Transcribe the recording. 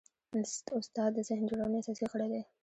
استاد د ذهن جوړونې اساسي غړی دی.